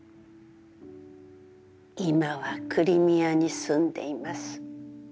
今はクリミアに住んでいます